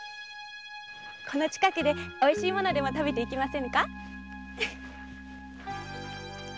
この近くでおいしいものでも食べていきませんか？